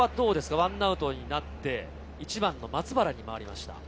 １アウトになって、１番の松原に回りました。